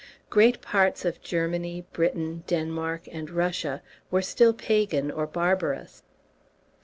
Great part of Germany, Britain, Denmark, and Russia were still pagan or barbarous.